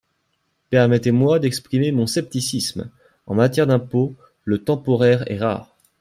Permettez-moi d’exprimer mon scepticisme, en matière d’impôt, le temporaire est rare.